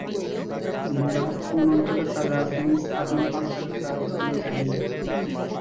মুরাদ কোন অঞ্চলে তার রাজধানী স্থাপন করেছিল জানা যায়নি।